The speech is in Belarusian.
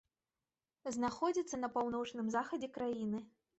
Знаходзіцца на паўночным захадзе краіны.